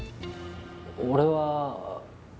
俺は。